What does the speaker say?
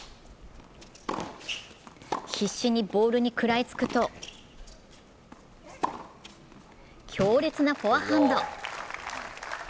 必死にボールに食らいつくと強烈なフォアハンド。